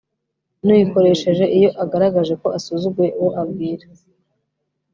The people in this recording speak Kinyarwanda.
nuyikoresheje iyo agaragaje ko asuzuguye uwo abwira